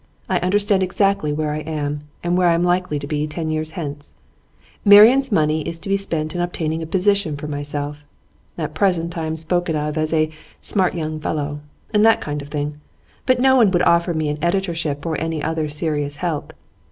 I understand exactly where I am, and where I am likely to be ten years hence. Marian's money is to be spent in obtaining a position for myself. At present I am spoken of as a "smart young fellow," and that kind of thing; but no one would offer me an editorship, or any other serious help.